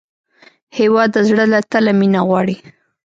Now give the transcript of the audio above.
هېواد د زړه له تله مینه غواړي.